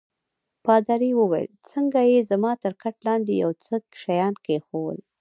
پادري وویل: څنګه يې؟ زما تر کټ لاندي يې یو څه شیان کښېښوول.